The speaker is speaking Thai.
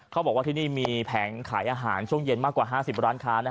เขาบอกว่าที่นี่มีแผงขายอาหารช่วงเย็นมากกว่า๕๐ร้านค้า